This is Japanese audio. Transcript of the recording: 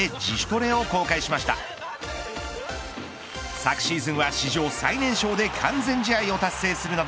昨シーズンは史上最年少で完全試合を達成するなど